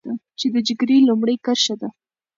چې د جګړې لومړۍ کرښه ده.